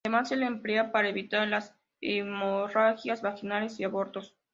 Además, se le emplea para evitar las hemorragias vaginales y abortos.